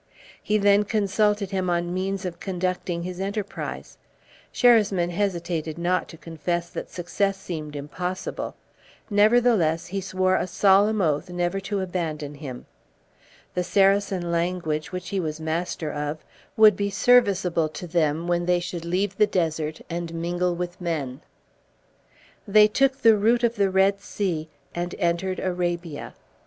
He then consulted him on means of conducting his enterprise. Sherasmin hesitated not to confess that success seemed impossible; nevertheless he swore a solemn oath never to abandon him. The Saracen language, which he was master of, would be serviceable to them when they should leave the desert, and mingle with men. They took the route of the Red Sea, and entered Arabia.